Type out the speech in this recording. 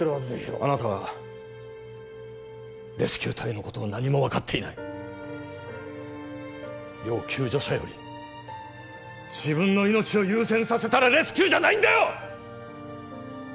あなたはレスキュー隊のことを何も分かっていない要救助者より自分の命を優先させたらレスキューじゃないんだよ！